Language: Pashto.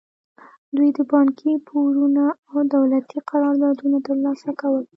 دوی د بانکي پورونه او دولتي قراردادونه ترلاسه کول.